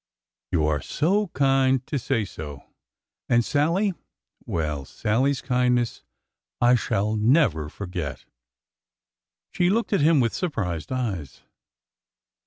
''You are kind to say so. And Sallie !— well, Sallie's kindness I shall never forget !" She looked at him with surprised eyes.